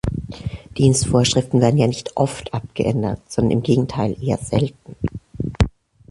Dienstvorschriften werden ja nicht oft abgeändert, sondern im Gegenteil eher selten.